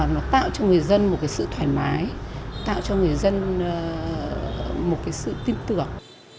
nó tạo cho người dân một sự thoải mái tạo cho người dân một sự tin tưởng